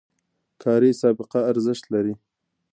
کاري سابقه ارزښت لري